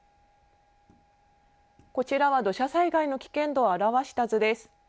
こちらは土砂災害の危険度を表した図です。